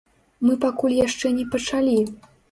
Мы пакуль яшчэ не пачалі.